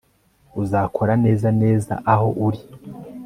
Uzakora neza neza aho uri